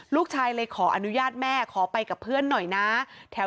ลูกชายเลยขออนุญาตแม่ขอไปกับเพื่อนหน่อยนะ